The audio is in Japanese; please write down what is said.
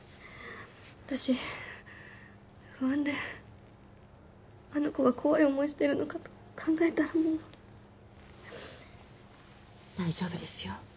私不安であの子が怖い思いしてるのかと考えたらもう大丈夫ですよ